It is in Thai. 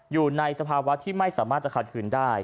อยู่ในสภาวะที่ไม่สามารถจะขัดขืนได้